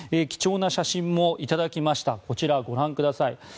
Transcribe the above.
貴重な写真もいただきました、ご覧ください。